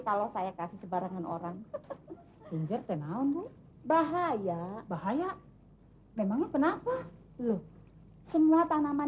kalau saya kasih sebarangan orang injet tenang bahaya bahaya memang kenapa lu semua tanaman